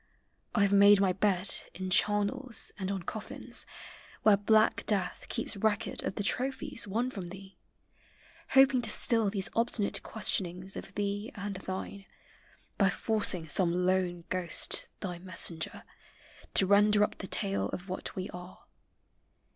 I have made my bed In charnels and on coffins, where black death NATURE'S INFLUENCE. 5 Keeps record of the trophies won from thee, Hoping to still these obstinate questionings Of thee and thine, by forcing some lone ghost, Thy messenger, to render up the tale Of what we are.